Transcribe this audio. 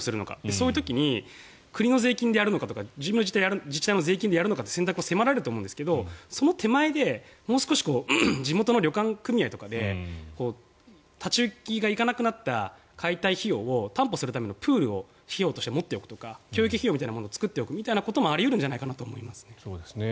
そういう時に国の税金でやるのかとか自治体も税金でやるのか選択を迫られると思いますがその手前でもう少し地元の旅館組合とかで立ち行きがいかなくなった解体費用を担保するためのプールを費用として持っておくとか共益費用みたいなものを作っておくこともあり得るんじゃないかと思いますね。